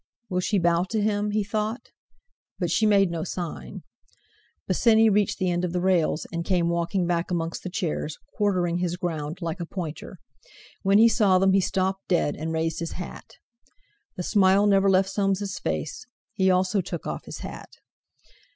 "Will she bow to him?" he thought. But she made no sign. Bosinney reached the end of the rails, and came walking back amongst the chairs, quartering his ground like a pointer. When he saw them he stopped dead, and raised his hat. The smile never left Soames's face; he also took off his hat.